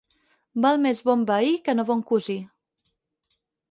Val més bon veí que no bon cosí.